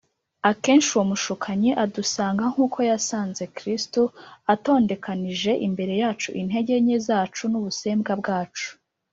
Akenshi uwo mushukanyi adusanga nk’uko yasanze Kristo, atondekanije imbere yacu intege nke zacu n’ubusembwa bwacu.